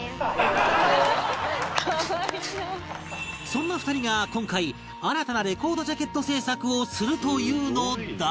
そんな２人が今回新たなレコードジャケット制作をするというのだが